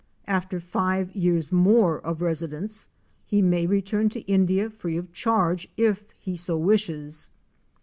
After five years more of residence he may return to India free of charge if he so wishes.